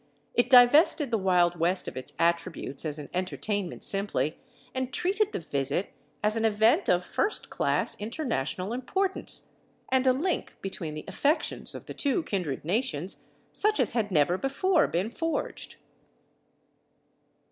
It divested the Wild West of its attributes as an entertainment simply, and treated the visit as an event of first class international importance, and a link between the affections of the two kindred nations such as had never before been forged.